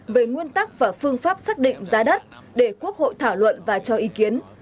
về nguyên tắc và phương pháp xác định giá đất để quốc hội thảo luận và cho ý kiến